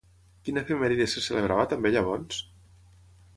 Quina efemèride se celebrava també llavors?